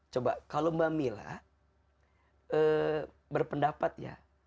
coba kalau mbak mila berpendapat ya